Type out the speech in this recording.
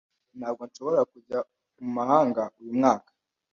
Ntabwo nshobora kujya mu mahanga uyu mwaka.